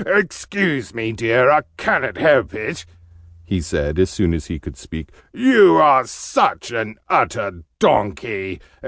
"Excuse me, dear, I ca'n't help it!" he said as soon as he could speak. "You are such an utter donkey!